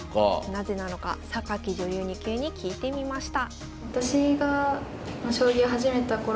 なぜなのか女流２級に聞いてみました。